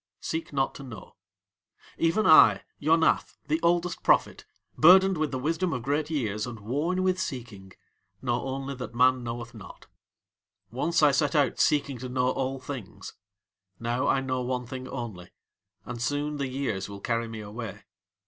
Seek not to know. Even I, Yonath, the oldest prophet, burdened with the wisdom of great years, and worn with seeking, know only that man knoweth not. Once I set out seeking to know all things. Now I know one thing only, and soon the Years will carry me away.